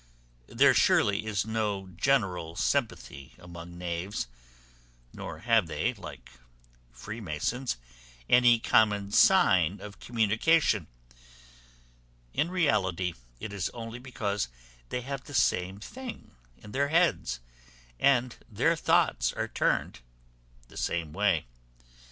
There surely is no general sympathy among knaves; nor have they, like freemasons, any common sign of communication. In reality, it is only because they have the same thing in their heads, and their thoughts are turned the same way.